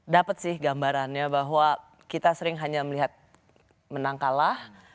dapat sih gambarannya bahwa kita sering hanya melihat menang kalah